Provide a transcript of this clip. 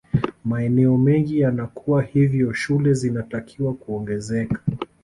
maeneo mengi yanakuwa hivyo shule zinatakiwa kuongezeka